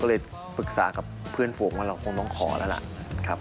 ก็เลยปรึกษากับเพื่อนฝูงว่าเราคงต้องขอแล้วล่ะครับ